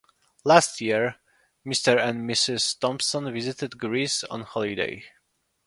Last year Mr and Mrs Thompson visited Greece on holiday.